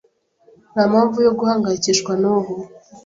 Ntampamvu yo guhangayikishwa nubu.